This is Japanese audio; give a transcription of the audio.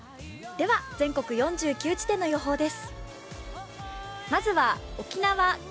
全国４９地点の予報です。